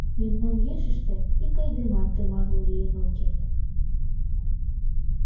Мемнан ешыште ик айдемат тыматле лийын ок керт...